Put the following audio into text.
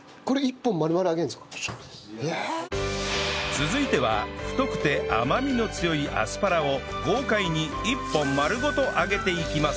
続いては太くて甘みの強いアスパラを豪快に１本丸ごと揚げていきます